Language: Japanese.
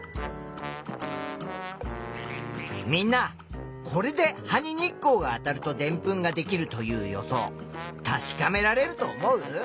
みんなこれで葉に日光があたるとでんぷんができるという予想確かめられると思う？